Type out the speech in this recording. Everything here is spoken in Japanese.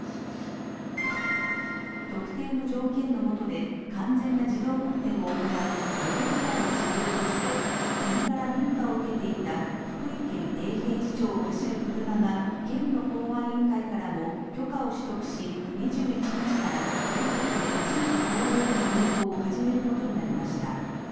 特定の条件の下で完全な自動運転を行うレベル４の車両として国から認可を受けていた福井県永平寺町を走る車が県の公安委員会からも許可を取得し２１日から全国で初めて公道での運行を始めることになりました。